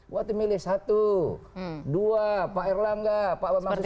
waktu milih satu dua pak erlangga pak mas susamjo